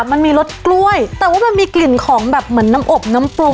มันมีรสกล้วยแต่ว่ามันมีกลิ่นของแบบเหมือนน้ำอบน้ำปรุง